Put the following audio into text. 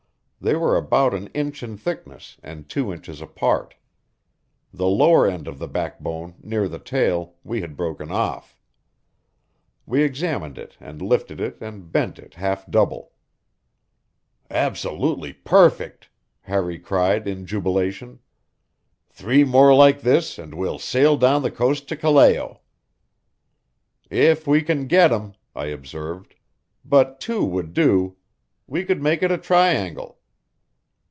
They were about an inch in thickness and two inches apart. The lower end of the backbone, near the tail, we had broken off. We examined it and lifted it and bent it half double. "Absolutely perfect!" Harry cried in jubilation. "Three more like this and we'll sail down the coast to Callao." "If we can get 'em," I observed. "But two would do. We could make it a triangle."